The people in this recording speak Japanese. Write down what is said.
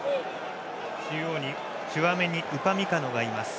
中央にチュアメニウパミカノがいます